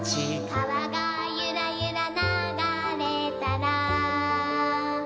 「かわがゆらゆらながれたら」